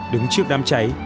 đứng trước đám cháy